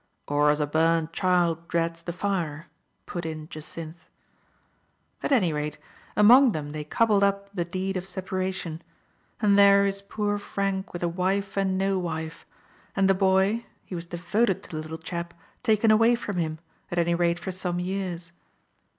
" Or as a burnt child dreads the fire," put in Jacynth. "At any rate, among them they cobbled up the deed of separation ; and there is poor Frank with a wife and no wife, and the boy — he was devoted to the little chap — taken away from him, at any rate for some years."